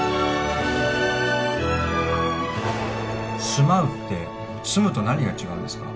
「住まう」って「住む」と何が違うんですか？